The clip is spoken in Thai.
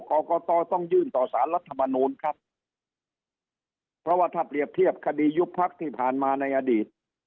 กรกตต้องยื่นต่อสารรัฐมนูลครับเพราะว่าถ้าเปรียบเทียบคดียุบพักที่ผ่านมาในอดีต